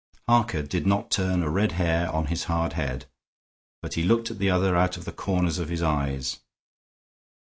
Harker did not turn a red hair on his hard head, but he looked at the other out of the corners of his eyes.